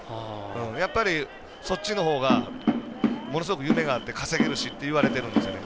やっぱり、そっちのほうがものすごく夢があって稼げるしっていわれてるんですよね。